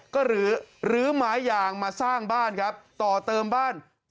ก็ลื้อไม้ยางมาสร้างบ้านครับต่อเติมบ้าน